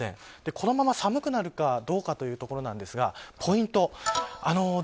このまま寒くなるかどうかというところなんですがポイントです。